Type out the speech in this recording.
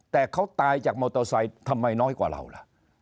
แต่เขาตายจากมอเตอร์ไซค์ทำไมน้อยกว่าเราล่ะ